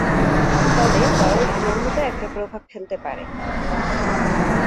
তবে বয়স যৌনতায় একটা প্রভাব ফেলতে পারে।